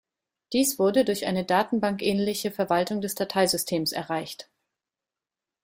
Dies wurde durch eine Datenbank-ähnliche Verwaltung des Dateisystems erreicht.